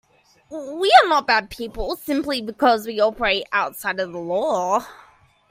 We are not bad people simply because we operate outside of the law.